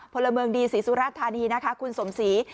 พลเมืองดีศรีสุรธานีนะคะคุณสมศรี